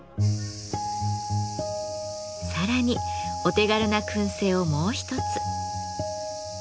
さらにお手軽な燻製をもう一つ。